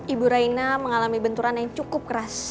ibu raina mengalami benturan yang cukup keras